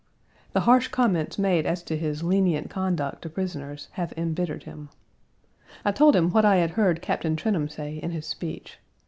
The harsh comments made as to his lenient conduct to prisoners have embittered him. I told him what I had heard Captain Trenholm say in his speech.